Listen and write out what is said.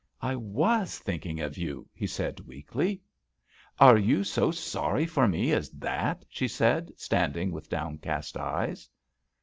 "I was thinking of you," he said weakly. "Are you so sorry for me as that?" she said, standing with downcast eyes.